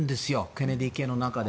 ケネディ家の中で。